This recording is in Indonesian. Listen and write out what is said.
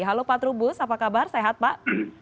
halo pak trubus apa kabar sehat pak